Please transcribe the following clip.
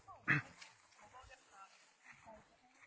เป็นชัดไหม